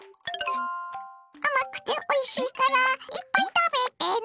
甘くておいしいからいっぱい食べてね！